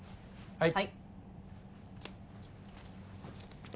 はい。